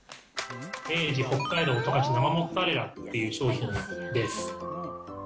明治北海道十勝生モッツァレラという商品です。